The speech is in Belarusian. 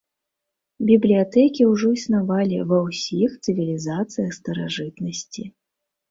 Бібліятэкі ўжо існавалі ва ўсіх цывілізацыях старажытнасці.